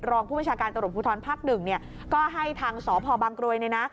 รองผู้บัญชาการตำรวจภูทรภาคหนึ่งเนี่ยก็ให้ทางสพบางกรวยเนี่ยนะ